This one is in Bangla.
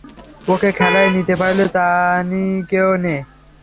ওকে খেলায় নিতে পারলে তানিকেও নে।